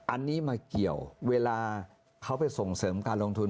อันนี้มาเกี่ยวเวลาเขาไปส่งเสริมการลงทุน